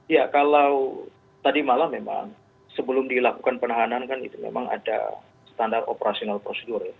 ya kalau tadi malam memang sebelum dilakukan penahanan kan itu memang ada standar operasional prosedur ya